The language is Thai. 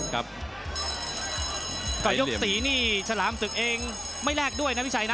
ก็ยก๔นี่ฉลามศึกเองไม่แลกด้วยนะพี่ชัยนะ